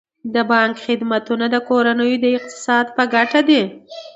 د بانک خدمتونه د کورنیو د اقتصاد په ګټه دي.